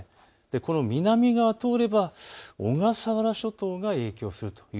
この南側を通れば小笠原諸島が影響が大きい。